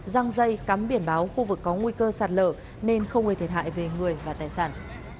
răng dây cắm biển báo khu vực có nguy cơ sạt lở nên không gây thiệt hại về người và tài sản